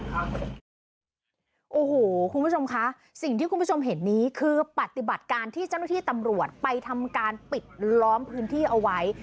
โอ้โหคุณผู้ชมคะสิ่งที่คุณผู้ชมเห็นนี้คือปฏิบัติการที่เจ้าหน้าที่ตำรวจไปทำการปิดล้อมพื้นที่เอาไว้